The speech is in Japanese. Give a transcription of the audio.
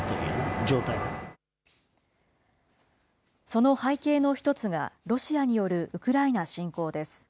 その背景の一つが、ロシアによるウクライナ侵攻です。